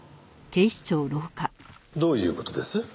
どういう事です？